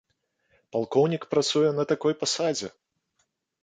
Палкоўнік працуе на такой пасадзе!